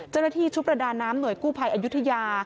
เจ้าหน้าที่ชุดประดาน้ำหน่วยกู้ภัยอายุทยา